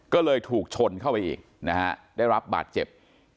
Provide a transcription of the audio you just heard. ก็เลยถูกชนเข้าไปอีกนะฮะได้รับบาดเจ็บ